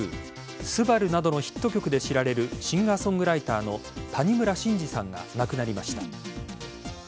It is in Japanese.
「昴」などのヒット曲で知られるシンガー・ソングライターの谷村新司さんが亡くなりました。